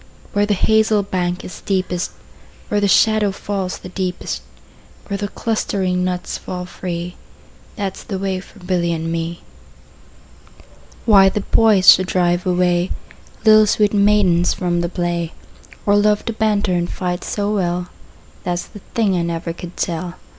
Where the hazel bank is steepest, Where the shadow falls the deepest, Where the clustering nuts fall free, 15 That 's the way for Billy and me. Why the boys should drive away Little sweet maidens from the play, Or love to banter and fight so well, That 's the thing I never could tell.